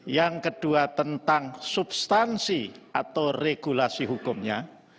yang kedua tentang substansi atau regulasi hukumnya